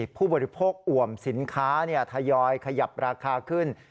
ผู้บริโภคอวมสินค้าทยอยขยับราคาขึ้น